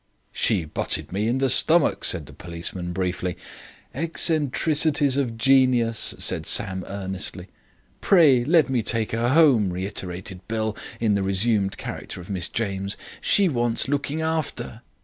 "'She butted me in the stomach,' said the policeman briefly. "'Eccentricities of genius,' said Sam earnestly. "'Pray let me take her home,' reiterated Bill, in the resumed character of Miss James, 'she wants looking after.'